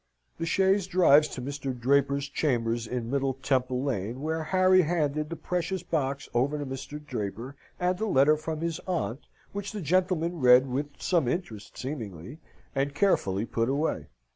The chaise drives to Mr. Draper's chambers in Middle Temple Lane, where Harry handed the precious box over to Mr. Draper, and a letter from his aunt, which the gentleman read with some interest seemingly, and carefully put away.